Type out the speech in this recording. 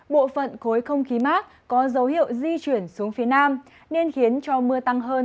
bộ phận khối không khí mát có dấu hiệu di chuyển xuống phía nam nên khiến cho mưa tăng hơn